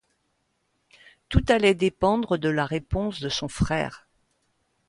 Tout allait dépendre de la réponse de son frère.